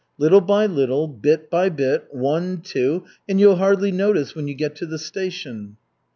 Little by little, bit by bit, one, two, and you'll hardly notice when you get to the station."